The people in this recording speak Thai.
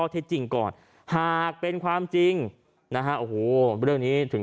ที่จริงก่อนหากเป็นความจริงนะฮะโอ้โหเรื่องนี้ถึง